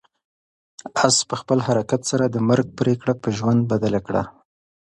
آس په خپل حرکت سره د مرګ پرېکړه په ژوند بدله کړه.